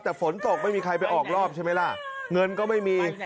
แต่ฝนตกไม่มีใครไปออกรอบใช่ไหมล่ะเงินก็ไม่มี